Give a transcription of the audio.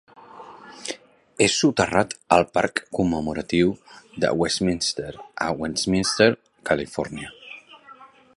És soterrat al parc commemoratiu de Westminster a Westminster, Califòrnia.